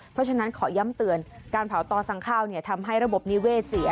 เพราะฉะนั้นขอย้ำเตือนการเผาต่อสั่งข้าวทำให้ระบบนิเวศเสีย